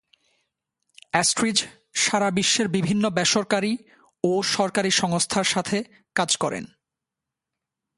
অ্যাস্ট্রিজ সারা বিশ্বের বিভিন্ন বেসরকারি ও সরকারি সংস্থার সাথে কাজ করেন।